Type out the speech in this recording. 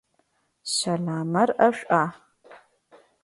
Щэламэр ӏэшӏуа?